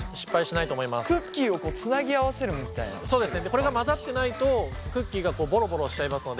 これが混ざってないとクッキーがぼろぼろしちゃいますので。